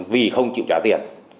vì không chịu trả tiền